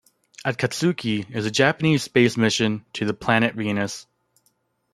"Akatsuki" is a Japanese space mission to the planet Venus.